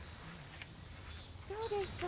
どうでした？